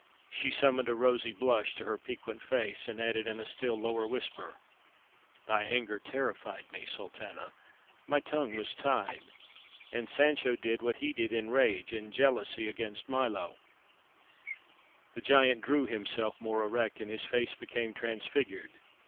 She summoned a rosy blush to her piquant face and added in a still lower whisper: "Thy anger terrified me, Sultana. My tongue was tied. And Sancho did what he did in rage, in jealousy against Milo." The giant drew himself more erect, and his face became transfigured.